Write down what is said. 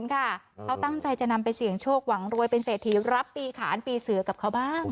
เขาตั้งใจจะนำไปเสี่ยงโชคหวังรวยเป็นเศรษฐีรับปีขานปีเสือกับเขาบ้าง